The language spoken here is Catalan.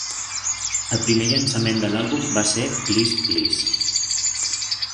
El primer llançament de l'àlbum va ser "Please Please".